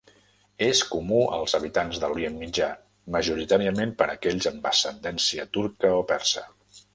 És comú als habitants de l'Orient Mitjà, majoritàriament per aquells amb ascendència turca o persa.